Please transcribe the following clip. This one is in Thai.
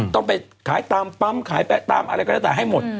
ต้องไปขายตามปั๊มขายตามอะไรก็แล้วแต่ให้หมด